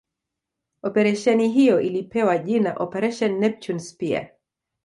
Operesheni hiyo ilipewa jina Operation Neptune Spear